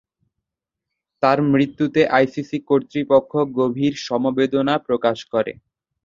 তার মৃত্যুতে আইসিসি কর্তৃপক্ষ গভীর সমবেদনা প্রকাশ করে।